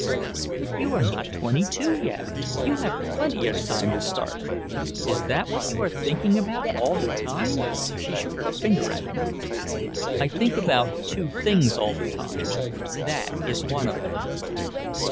"But you are not twenty two yet. You have plenty of time to start. Is that what you are thinking about all the time!" She shook her finger at him. "I think about two things all the time. That is one of them."